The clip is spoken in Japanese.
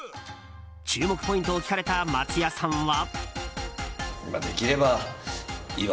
注目ポイントを聞かれた松也さんは。